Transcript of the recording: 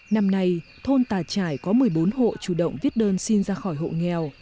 năm nay thôn tà trải có một mươi bốn hộ chủ động viết đơn xin ra khỏi hộ nghèo